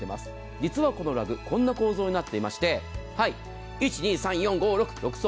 実はこのラグこんな構造になっていまして１、２、３、４、５、６層。